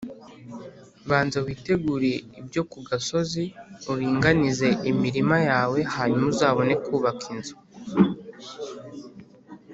banza witegure ibyo ku gasozi, uringanize imirima yawe, hanyuma uzabone kūbaka inzu